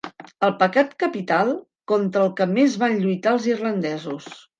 El pecat capital contra el que més van lluitar els irlandesos.